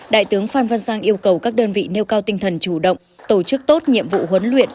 đại tướng phan văn giang yêu cầu các đơn vị nêu cao tinh thần chủ động tổ chức tốt nhiệm vụ huấn luyện